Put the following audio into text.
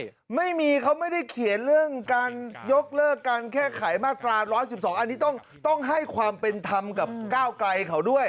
ใช่ไม่มีเขาไม่ได้เขียนเรื่องการยกเลิกการแก้ไขมาตรา๑๑๒อันนี้ต้องให้ความเป็นธรรมกับก้าวไกลเขาด้วย